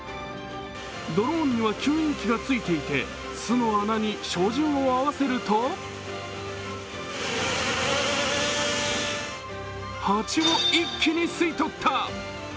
ドローンには吸引機がついていて、巣の穴に照準を合わせると蜂を一気に吸い取った。